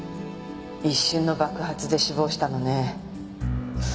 一瞬の爆発で死亡したのね。